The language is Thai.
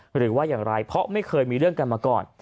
หรือว่าอย่างไรเพราะไม่เคยมีเรื่องกันมาก่อน